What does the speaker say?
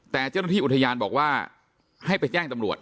แต่เจ้าหน้าที่อุทยานบอกว่าให้ไปแจ้งตำรวจ